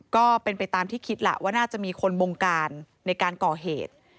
ก็เป็นไปตามที่คิดล่ะว่าน่าจะมีคนบงการในการก่อเหตุ